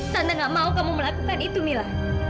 sana gak mau kamu melakukan itu mila